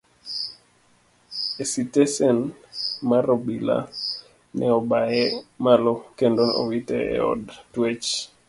E sitesen mar obila ne obaye malo kendo owite e od twech.